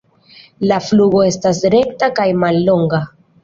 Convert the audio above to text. La flugo estas rekta kaj mallonga.